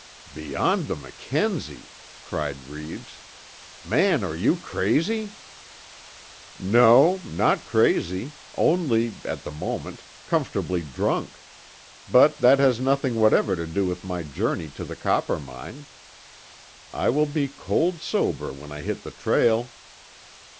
"Beyond the Mackenzie!" cried Reeves, "Man are you crazy!" "No, not crazy, only, at the moment, comfortably drunk. But that has nothing whatever to do with my journey to the Coppermine. I will be cold sober when I hit the trail."